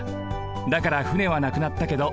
だから船はなくなったけど